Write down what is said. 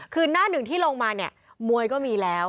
คือหน้าหนึ่งที่ลงมาเนี่ยมวยก็มีแล้ว